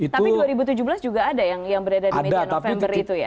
tapi dua ribu tujuh belas juga ada yang beredar di media november itu ya